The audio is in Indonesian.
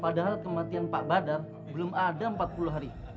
padahal kematian pak badar belum ada empat puluh hari